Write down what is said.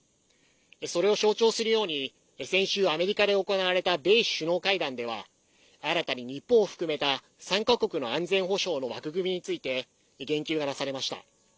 それを象徴するように先週、アメリカで行われた米比首脳会談では新たに日本を含めた３か国の安全保障の枠組みについて言及がなされました。